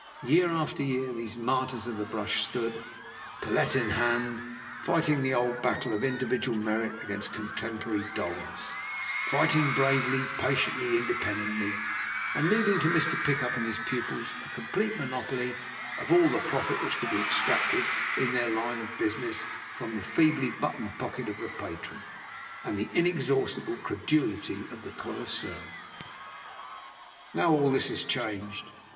Year after year, these martyrs of the brush stood, palette in hand, fighting the old battle of individual merit against contemporary dullness fighting bravely, patiently, independently; and leaving to Mr. Pickup and his pupils a complete monopoly of all the profit which could be extracted, in their line of business, from the feebly buttoned pocket of the patron, and the inexhaustible credulity of the connoisseur. Now all this is changed.